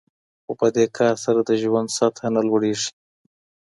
خو په دې کار سره د ژوند سطحه نه لوړیږي.